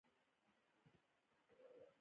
د ښوونکو او ډاکټرانو معاشونه په وخت ورکول کیږي.